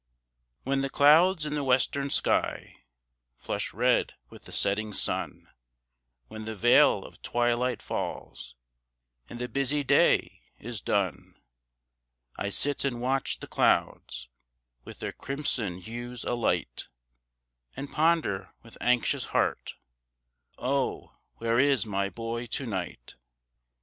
When the clouds in the Western sky Flush red with the setting sun, When the veil of twilight falls, And the busy day is done, I sit and watch the clouds, With their crimson hues alight, And ponder with anxious heart, Oh, where is my boy to night?